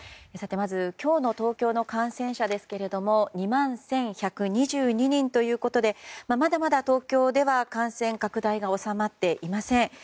まず、今日の東京の感染者ですけれども２万１１２２人ということでまだまだ東京では感染拡大が収まっていません。